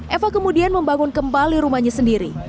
eva kemudian membangun kembali rumahnya sendiri